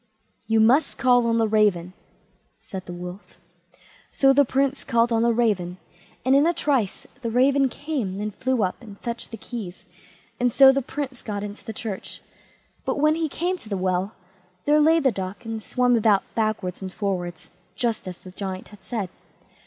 "You must call on the raven", said the Wolf. So the Prince called on the raven, and in a trice the raven came, and flew up and fetched the keys, and so the Prince got into the church. But when he came to the well, there lay the duck, and swam about backwards and forwards, just as the Giant had said.